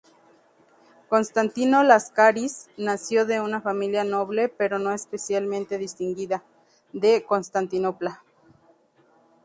Constantino Láscaris nació de una familia noble pero no especialmente distinguida, de Constantinopla.